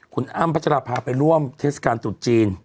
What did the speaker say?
คุณอ้ำพจรภาไปร่วมเทศกาลสูตรจีน